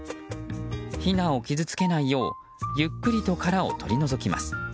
ひなを傷つけないようゆっくりと殻を取り除きます。